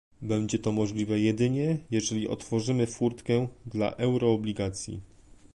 Będzie to możliwe jedynie, jeśli otworzymy furtkę dla euroobligacji